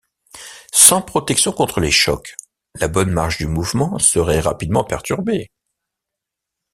Sans protection contre les chocs, la bonne marche du mouvement serait rapidement perturbée.